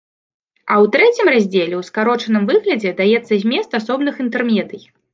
А ў трэцім раздзеле ў скарочаным выглядзе даецца змест асобных інтэрмедый.